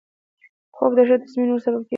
خوب د ښه تصمیم نیولو سبب کېږي